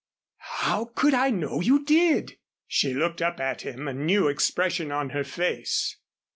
"How could I know you did?" She looked up at him, a new expression on her face.